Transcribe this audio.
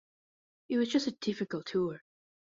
It was just a difficult tour.